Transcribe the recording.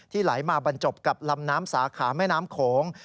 ไหลมาบรรจบกับลำน้ำสาขาแม่น้ำโขง